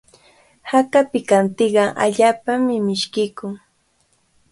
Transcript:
Haka pikantiqa allaapami mishkiykun.